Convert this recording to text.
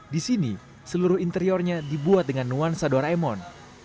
di sini seluruh interiornya dibuat dengan nuansa doraemon